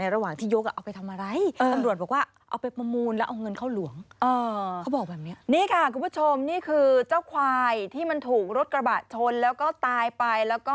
ในระหว่างที่ยกเอาไปทำอะไร